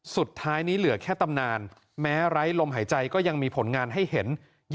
สุดท้ายนี้เหลือแค่ตำนานแม้ไร้ลมหายใจก็ยังมีผลงานให้เห็น